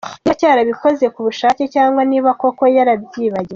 niba yarabikoze ku bushake cyangwa niba koko yarabyibagiwe.